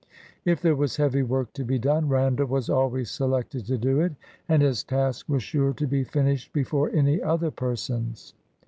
If there was heavy work to be done. Eandall was always selected to do it: and his task was sure to be finished before any other person's.